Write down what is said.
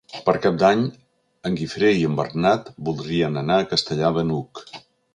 Per Cap d'Any en Guifré i en Bernat voldrien anar a Castellar de n'Hug.